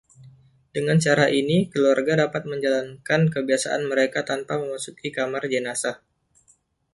Dengan cara ini, keluarga dapat menjalankan kebiasaan mereka tanpa memasuki kamar jenazah.